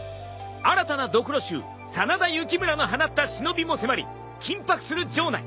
新たな髑髏衆真田幸村の放った忍びも迫り緊迫する城内。